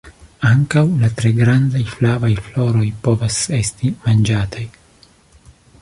Ankaŭ la tre grandaj flavaj floroj povas esti manĝataj.